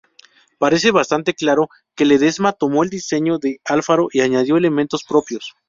Parece bastante claro que Ledesma tomó el diseño de Alfaro y añadió elementos propios.